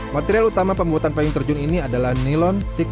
material utama pembuatan payung terjun ini adalah nilon enam